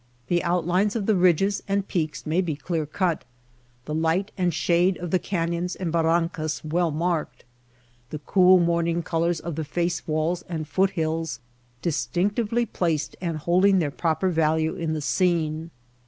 The outlines of the ridges and peaks may be clear cut, the light ILLUSIONS 111 and shade of the canyons and barrancas well marked, the cool morning colors of the face walls and foot hills distinctly placed and hold ing their proper value in the scene.